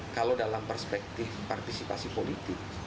kalau dalam perspektif partisipasi politik